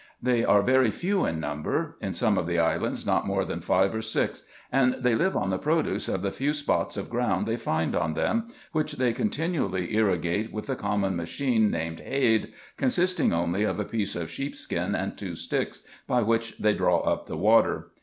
They are very few in number — in some of the islands not more than five or six ; and they live on the produce of the few spots of ground they find on them, which they continually irrigate with the common machine named hade, consisting only of a piece of sheepskin and two sticks, by which they draw up the water.